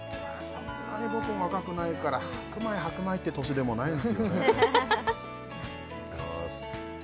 そんなに僕も若くもないから白米白米って年でもないんですよ